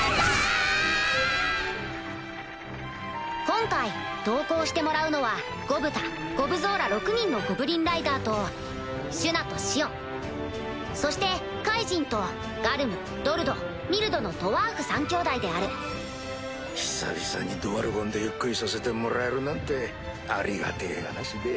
今回同行してもらうのはゴブタゴブゾウら６人のゴブリンライダーとシュナとシオンそしてカイジンとガルムドルドミルドのドワーフ３兄弟である久々にドワルゴンでゆっくりさせてもらえるなんてありがてぇ話で。